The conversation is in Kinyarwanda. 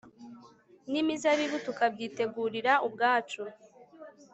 ni mizabibu tukabyitegurira ubwacu